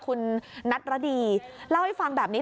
คุณนัทรดีเล่าให้ฟังแบบนี้